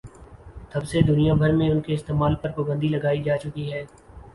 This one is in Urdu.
تب سے دنیا بھر میں ان کے استعمال پر پابندی لگائی جاچکی ہے